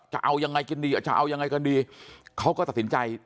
จะเอายังไงกันดีจะเอายังไงกันดีเขาก็ตัดสินใจ